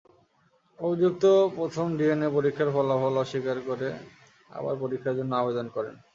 অভিযুক্ত প্রথম ডিএনএ পরীক্ষার ফলাফল অস্বীকার করে আবার পরীক্ষার জন্য আবেদন করেন।